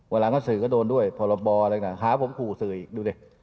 หลังก็สื่อก็โดนด้วยพรบอะไรนะหาผมขู่สื่ออีกดูดิ